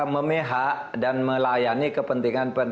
memihak dan melayani kepentingan